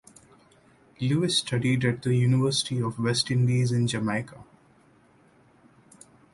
Lewis studied at the University of the West Indies in Jamaica.